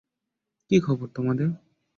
কি খবর তোমাদের?